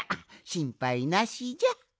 しんぱいなしじゃ！